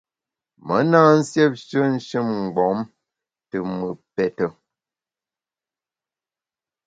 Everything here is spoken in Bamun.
Me na nsiêpshe nshin-mgbom te mùt pète.